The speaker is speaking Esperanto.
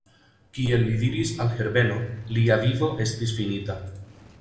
Kiel li diris al Herbeno, lia vivo estis finita.